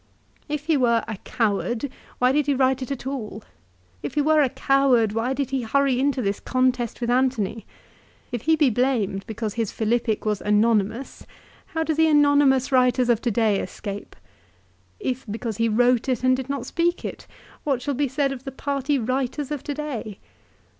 If he were a coward why did he write it at all ? If he were a coward why did he hurry into this contest with Antony ? If he be blamed be cause his Philippic was anonymous, how do the anonymous writers of to day escape ? If because he wrote it, and did 1 Ad Att. lib. xvi. 11. THE PHILIPPICS. 239 not speak it, what shall be said of the party writers of to day